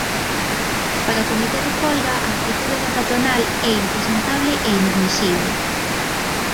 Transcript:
Para o comité de folga a actitude da patronal é impresentable e inadmisible.